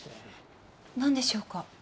なんでしょうか？